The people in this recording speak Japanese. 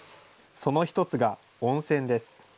その１つが温泉です。